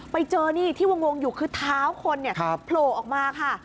ไปเจอนี่ที่วงอยู่คือเท้าคนเนี่ยโผล่ออกมาค่ะ